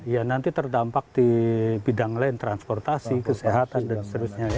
ya nanti terdampak di bidang lain transportasi kesehatan dan seterusnya ya